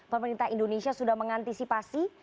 pemerintah indonesia sudah mengantisipasi